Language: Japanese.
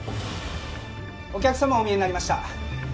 お客様お見えになりました